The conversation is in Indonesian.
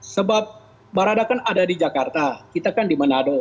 sebab barada kan ada di jakarta kita kan di manado